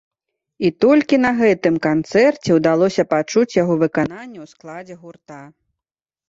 І толькі на гэтым канцэрце ўдалося пачуць яго выкананне ў складзе гурта.